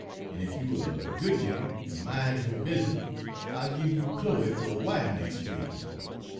En ef you er a good nigger en min's yo' bizness, I'll gib you Chloe fer a wife nex' spring.